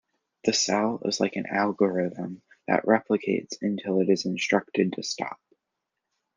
The cell is like an algorithm that replicates until it is instructed to stop.